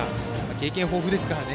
経験豊富ですからね。